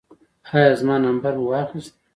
ایا زما نمبر مو واخیست؟